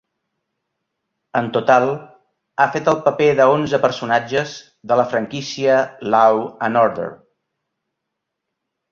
En total, ha fet el paper de onze personatge de la franquícia "Law and Order".